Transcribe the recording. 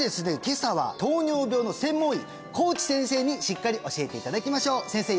今朝は糖尿病の専門医小内先生にしっかり教えていただきましょう先生